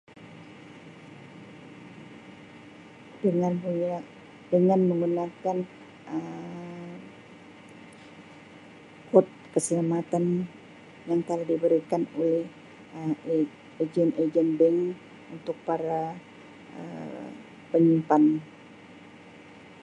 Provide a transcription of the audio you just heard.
[unintelligible] Dengan menggunakan Um kode keselamatan yang telah diberikan oleh Um e-ejen-ejen bank untuk para Um penyimpan.